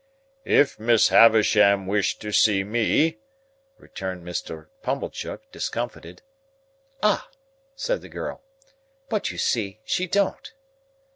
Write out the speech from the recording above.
"If Miss Havisham wished to see me," returned Mr. Pumblechook, discomfited. "Ah!" said the girl; "but you see she don't."